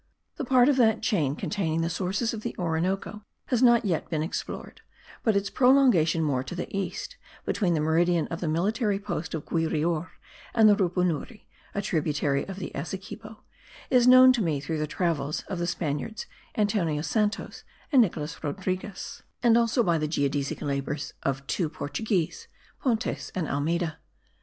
The part of that chain containing the sources of the Orinoco has not yet been explored; but its prolongation more to the east, between the meridian of the military post of Guirior and the Rupunuri, a tributary of the Essequibo, is known to me through the travels of the Spaniards Antonio Santos and Nicolas Rodriguez, and also by the geodesic labours of two Portuguese, Pontes and Almeida.